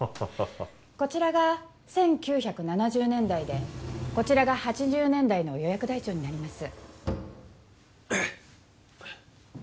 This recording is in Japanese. こちらが１９７０年代でこちらが８０年代の予約台帳になります